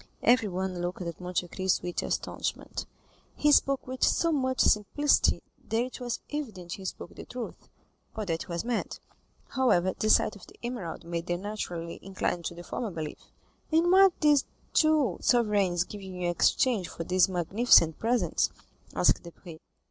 Everyone looked at Monte Cristo with astonishment; he spoke with so much simplicity that it was evident he spoke the truth, or that he was mad. However, the sight of the emerald made them naturally incline to the former belief. "And what did these two sovereigns give you in exchange for these magnificent presents?" asked Debray.